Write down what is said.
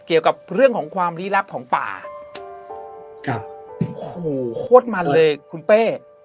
เกี่ยวกับเรื่องของความลี้ลับของป่าครับโอ้โหโคตรมันเลยคุณเป้